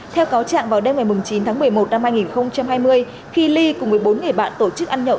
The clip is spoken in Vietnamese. theo cáo trạng vào đêm một mươi chín tháng một mươi một năm hai nghìn hai mươi khi ly cùng một mươi bốn người bạn tổ chức ăn nhậu